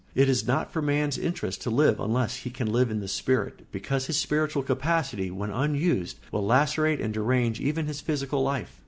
It is not for man's interest to live unless he can live in the spirit, because his spiritual capacity, when unused, will lacerate and derange even his physical life.